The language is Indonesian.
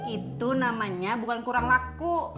itu namanya bukan kurang laku